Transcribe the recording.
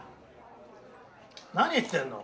何言ってんの？